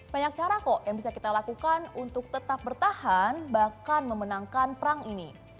banyak cara kok yang bisa kita lakukan untuk tetap bertahan bahkan memenangkan perang ini